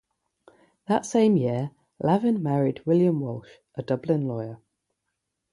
That same year, Lavin married William Walsh, a Dublin lawyer.